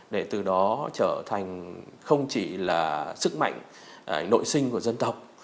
để từ đó trở thành không chỉ là sức mạnh nội sinh của dân tộc